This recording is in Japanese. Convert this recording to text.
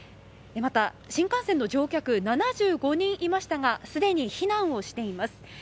また新幹線の乗客７５人いましたがすでに避難をしています。